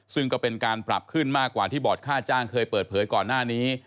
ซึ่งก็เป็นการปรับขึ้นมากกว่าที่บอร์ดค่าจ้างเคยเปิดเผยก่อนหน้านี้